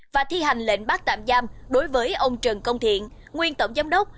và thi hành lệnh bắt tạm giam đối với ông trần công thiện nguyên tổng giám đốc